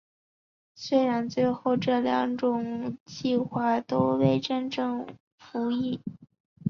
虽然最后这两种计划都未正式服役。